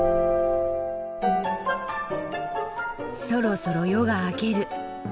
そろそろ夜が明ける。